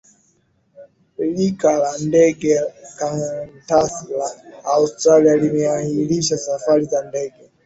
rika la ndege kantas la australia limeahirisha safari za ndege